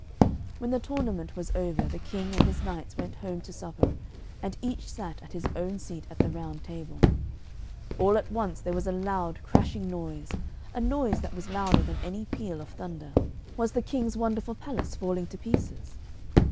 When the tournament was over the King and his knights went home to supper, and each sat in his own seat at the Round Table. All at once there was a loud crashing noise, a noise that was louder than any peal of thunder. Was the King's wonderful palace falling to pieces?